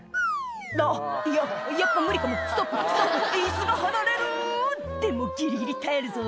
「あっややっぱ無理かもストップストップ」「椅子が離れるでもギリギリ耐えるぞ」